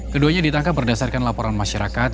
keduanya ditangkap berdasarkan laporan masyarakat